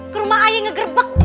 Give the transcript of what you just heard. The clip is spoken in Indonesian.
ke rumah ayah ngegerbek